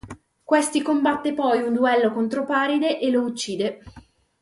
Questi combatte poi un duello contro Paride e lo uccide.